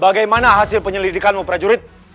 bagaimana hasil penyelidikanmu prajurit